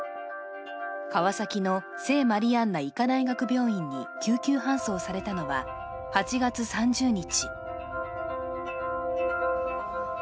川崎の聖マリアンナ医科大学病院に救急搬送されたのは８月３０日。